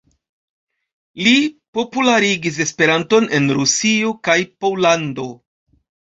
Li popularigis Esperanton en Rusio kaj Pollando.